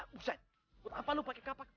buat kenapa lo pake kapak